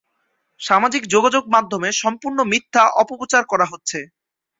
সামাজিক যোগাযোগ মাধ্যমে সম্পূর্ণ মিথ্যা অপপ্রচার করা হচ্ছে।